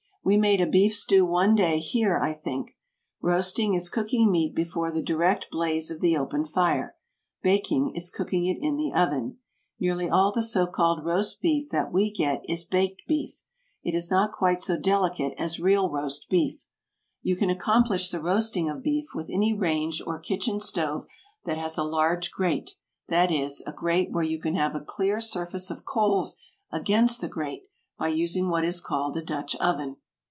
We made a beef stew one day, here, I think. Roasting is cooking meat before the direct blaze of the open fire. Baking is cooking it in the oven. Nearly all the so called roast beef that we get is baked beef. It is not quite so delicate as real roast beef. You can accomplish the roasting of beef with any range or kitchen stove that has a large grate, that is, a grate where you can have a clear surface of coals against the grate, by using what is called a Dutch oven.